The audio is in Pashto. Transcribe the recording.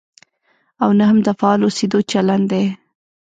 او نه هم د فعال اوسېدو چلند دی.